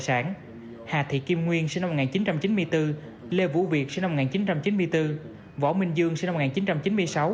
sản hà thị kim nguyên sinh năm một nghìn chín trăm chín mươi bốn lê vũ việt sinh năm một nghìn chín trăm chín mươi bốn võ minh dương sinh năm một nghìn chín trăm chín mươi sáu